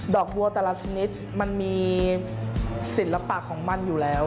ดอกบวตลาดชนิดมันมีศิลปะของมันอยู่แล้ว